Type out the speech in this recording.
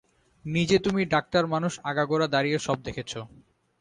নিজে তুমি ডাক্তার মানুষ আগাগোড়া দাড়িয়ে সব দেখেছ।